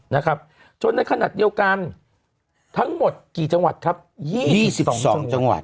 นะครับจนในขณะเดียวกันทั้งหมดกี่จังหวัดครับ๒๒จังหวัด